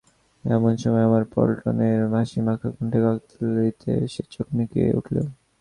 এমন সময় আবার পটলের হাসিমাখা কণ্ঠের কাকলিতে সে চমকিয়া উঠিল।